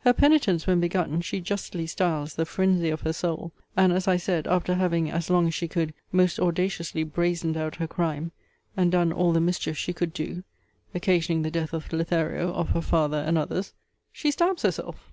Her penitence, when begun, she justly styles the phrensy of her soul; and, as I said, after having, as long as she could, most audaciously brazened out her crime, and done all the mischief she could do, (occasioning the death of Lothario, of her father, and others,) she stabs herself.